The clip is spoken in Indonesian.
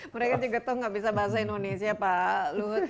mereka juga tahu nggak bisa bahasa indonesia pak luhut